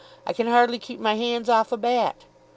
I can hardly keep my hands off a bat."